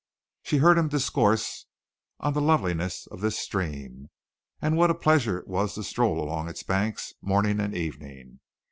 She heard him discourse on the loveliness of this stream and what a pleasure it was to stroll along its banks morning and evening.